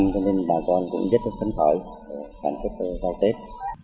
cho nên bà con cũng rất là khấn khởi sản xuất cho tết